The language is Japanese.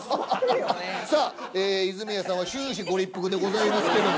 さあ泉谷さんは終始ご立腹でございますけども。